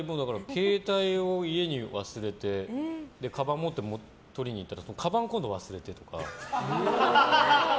携帯を家に忘れてかばん持って取りに行ったらかばんを今度忘れてとか。